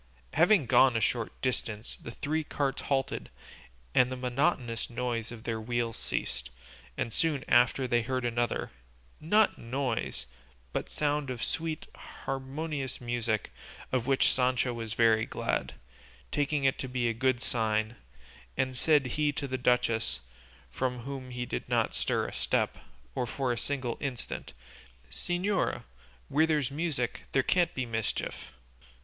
Having gone a short distance the three carts halted and the monotonous noise of their wheels ceased, and soon after they heard another, not noise, but sound of sweet, harmonious music, of which Sancho was very glad, taking it to be a good sign; and said he to the duchess, from whom he did not stir a step, or for a single instant, "Señora, where there's music there can't be mischief."